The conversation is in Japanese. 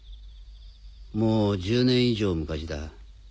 もう１０年以上昔だ。